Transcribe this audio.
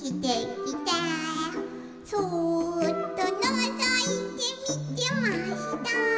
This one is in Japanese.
「そうっとのぞいてみてました」